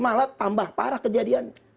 malah tambah parah kejadian